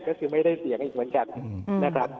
ก็คือไม่ได้เสียงอีกเหมือนกันนะครับ